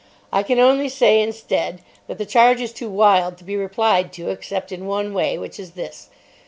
I can only say, instead, that the charge is too wild to be replied to except in one way, which is this.